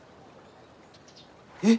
えっ！？